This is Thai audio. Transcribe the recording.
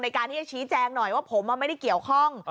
ในการที่จะชี้แจงหน่อยว่าผมไม่ได้เกี่ยวข้อง